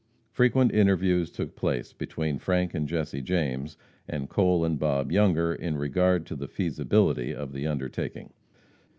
Frequent interviews took place between Frank and Jesse James, and Cole and Bob Younger in regard to the feasibility of the undertaking.